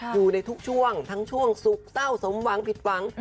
อยู่ในทุกช่วงทั้งช่วงสุขเศร้าสมหวังผิดหวัง